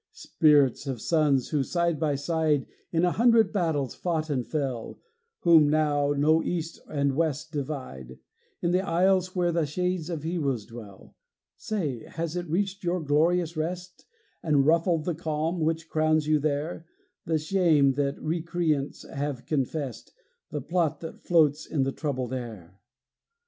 Spirits of sons who, side by side, In a hundred battles fought and fell, Whom now no East and West divide, In the isles where the shades of heroes dwell, Say, has it reached your glorious rest, And ruffled the calm which crowns you there, The shame that recreants have confest The plot that floats in the troubled air?